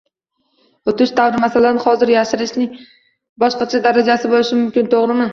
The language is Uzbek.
Oʻtish davri, masalan hozir yashirishning boshqacha darajasi boʻlishi mumkin, toʻgʻrimi?